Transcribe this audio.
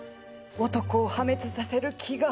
男を破滅させる気が。